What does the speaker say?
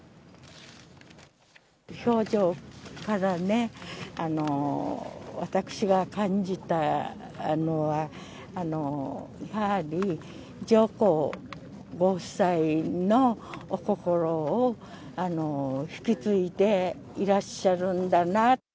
表情からね、私が感じたのは、上皇ご夫妻のお心を引き継いでいらっしゃるんだな。